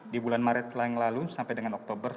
di bulan maret yang lalu sampai dengan oktober